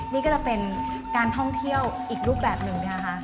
นี่ก็จะเป็นการท่องเที่ยวอีกรูปแบบหนึ่งนะคะ